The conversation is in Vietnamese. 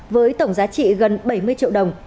với tổng giá trị gần bảy mươi triệu đồng